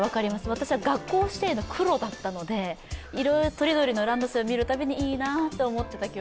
私は学校指定の黒だったので、色とりどりのランドセル見るたびにいいなと思ってました。